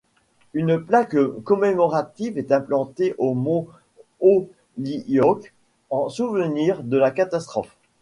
Une plaque commémorative est implantée au mont Holyoke en souvenir de la catastrophe.